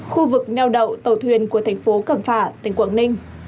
khu vực neo đậu tàu thuyền của thành phố cẩm phả tỉnh quảng ninh